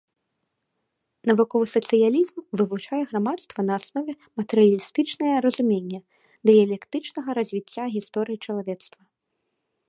Навуковы сацыялізм вывучае грамадства на аснове матэрыялістычнае разуменне дыялектычнага развіцця гісторыі чалавецтва.